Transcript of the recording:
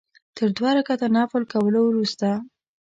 تر دوه رکعته نفل کولو وروسته.